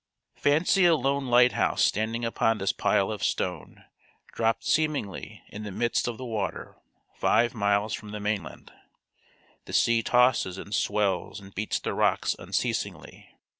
Fancy a lone lighthouse standing upon this pile of stone, dropped seemingly, in the midst of the water, five miles from the mainland. The sea tosses, and swells, and beats the rocks unceasingly.